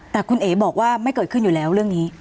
แต่คุณเอ๋บอกว่าไม่เกิดขึ้นอยู่แล้วเรื่องนี้